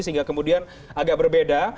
sehingga kemudian agak berbeda